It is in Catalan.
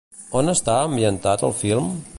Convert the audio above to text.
On està ambientat el film?